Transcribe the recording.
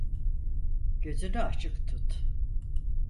Gözünü açık tut.